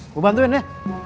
gua bantuin ya